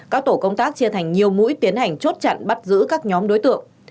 các tổ công tác chia thành nhiều mũi tiến hành chốt chặn bắt giữ các nhóm đối tượng